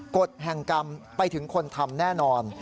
กฎแห่งกรรมไปถึงคนทำแน่นอน